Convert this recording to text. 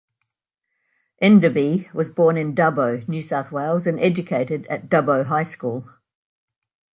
Enderby was born in Dubbo, New South Wales and educated at Dubbo High School.